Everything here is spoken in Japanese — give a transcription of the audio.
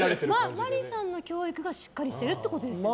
麻里さんの教育がしっかりしてるってことですよね。